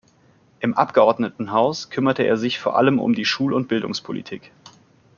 Im Abgeordnetenhaus kümmerte er sich vor allem um die Schul- und Bildungspolitik.